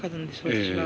私は。